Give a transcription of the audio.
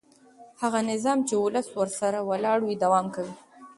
هغه نظام چې ولس ورسره ولاړ وي دوام کوي